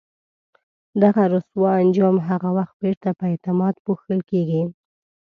دغه رسوا انجام هغه وخت بیرته په اعتماد پوښل کېږي.